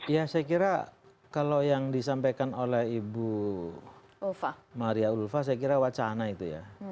ya saya kira kalau yang disampaikan oleh ibu maria ulfa saya kira wacana itu ya